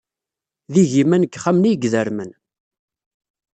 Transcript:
D igiman n yixxamen ay idermen.